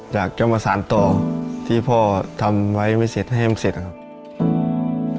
อยากจะมาสาดต่อที่พ่อทำไว้ไม่สิทธิ์ให้มันสิทธิ์ครับ